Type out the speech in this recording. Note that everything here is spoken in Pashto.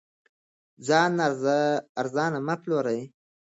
ځان ارزانه مه پلورئ.